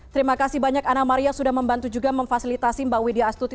terima kasih banyak ana maria sudah membantu juga memfasilitasi mbak widya astuti